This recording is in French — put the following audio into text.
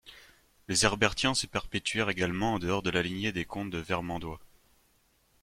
Les Herbertiens se perpétuèrent également en dehors de la lignée des comtes de Vermandois.